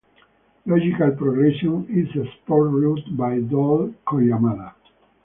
"Logical Progression" is a sport route by Dai Koyamada.